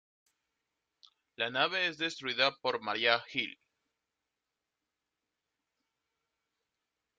La nave es destruida por Maria Hill.